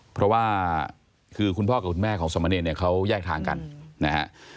เพราะว่าคือคุณพ่อกับคุณแม่ของสมเนรเนี่ยเขาแยกทางกันนะฮะ